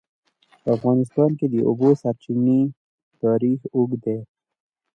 په افغانستان کې د د اوبو سرچینې تاریخ اوږد دی.